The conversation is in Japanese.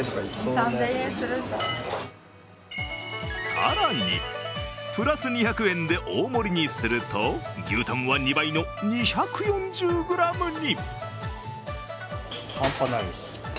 更にプラス２００円で大盛りにすると牛タンは２倍の２４０ｇに。